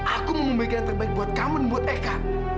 aku mau memberikan yang terbaik buat kamu buat eka